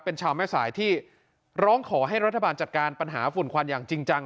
เป็นชาวแม่สายที่ร้องขอให้รัฐบาลจัดการปัญหาฝุ่นควันอย่างจริงจัง